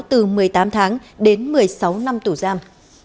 từ một mươi tám tháng đến một mươi sáu năm tù giam